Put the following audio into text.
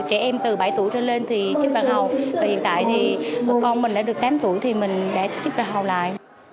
hiện tại thì con mình đã được tám tuổi thì mình đã chích bạch hầu lại